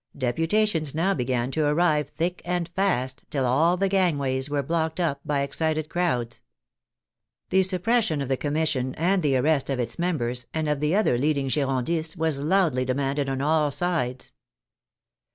Deputations now began to arrive thick and fast, till all the gangways were blocked up by excited crowds. The suppression of the Commission and the arrest of its members, and of the other leading Gi rondists, was loudly demanded on all sides.